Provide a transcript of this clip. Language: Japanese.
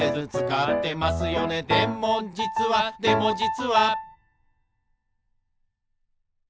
「でもじつはでもじつは」